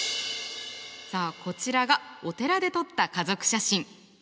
さあこちらがお寺で撮った家族写真。